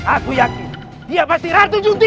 aku yakin dia pasti ratu junti